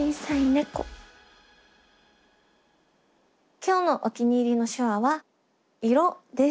今日のお気に入りの手話は「色」です。